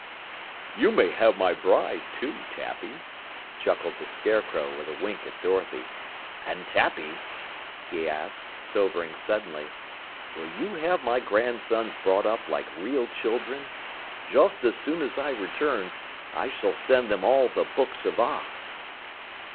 "You may have my bride, too, Tappy," chuckled the Scarecrow with a wink at Dorothy. "And Tappy," he asked, sobering suddenly, "will you have my grandsons brought up like real children? Just as soon as I return, I shall send them all the Books of Oz."